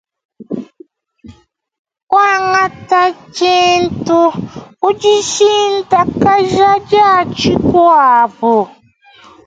Kuangata tshintu ku dishintakaja dia tshikuabu.